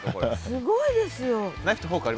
すごいですよ。